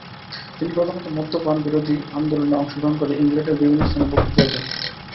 তিনি প্রধানত মদ্যপান-বিরোধী আন্দোলনে অংশগ্রহণ করে ইংল্যান্ডের বিভিন্ন স্থানে বক্তৃতাদি দেন।